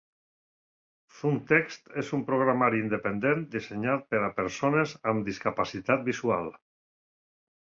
ZoomText és un programari independent dissenyat per a persones amb discapacitat visual.